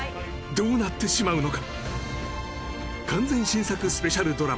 どうなってしまうのか？